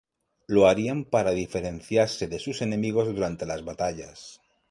Lo harían para diferenciarse de sus enemigos durante las batallas.